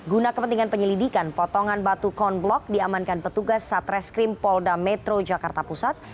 guna kepentingan penyelidikan potongan batu conblok diamankan petugas satreskrim polda metro jakarta pusat